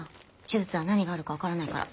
手術は何があるかわからないから。